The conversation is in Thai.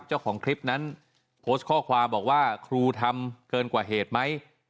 เจ้าของคลิปนั้นโพสต์ข้อความบอกว่าครูทำเกินกว่าเหตุไหม